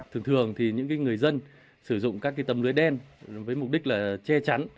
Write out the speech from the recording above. thường thường thì những người dân sử dụng các tấm lưới đen với mục đích là che chắn